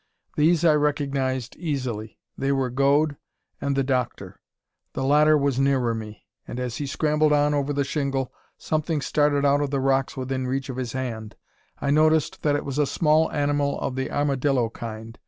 These I recognised easily. They were Gode and the doctor. The latter was nearer me; and as he scrambled on over the shingle something started out of the rocks within reach of his hand. I noticed that it was a small animal of the armadillo kind.